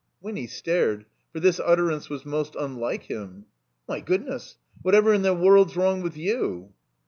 Winny stared, for this utterance was most unlike him. '' My goodness ! What ever in the world's wrong with you?"